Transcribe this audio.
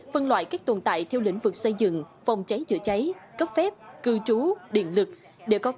phân loại các tồn tại theo lĩnh vực xây dựng phòng cháy chữa cháy cấp phép cư trú điện lực